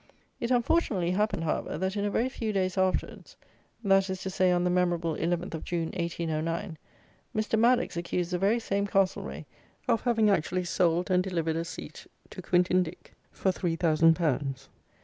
It unfortunately happened, however, that in a very few days afterwards that is to say, on the memorable eleventh of June, 1809 Mr. Maddocks accused the very same Castlereagh of having actually sold and delivered a seat to Quintin Dick for three thousand pounds.